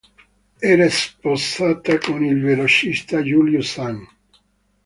Era sposata con il velocista Julius Sang.